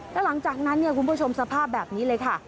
แล้วหลังจากนั้นเนี่ยคุณผู้ชมสภาพแบบนี้เลยค่ะ